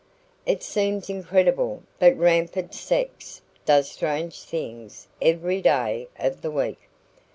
It seems incredible, but rampant sex does stranger things every day of the week.